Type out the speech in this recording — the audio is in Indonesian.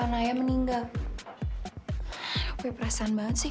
wah nggak beresnya ading salah sama otaknya nih